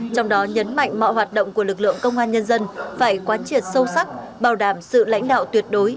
trong đó nhấn mạnh mọi hoạt động của lực lượng công an nhân dân phải quán triệt sâu sắc bảo đảm sự lãnh đạo tuyệt đối